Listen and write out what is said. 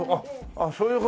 あっそういう事。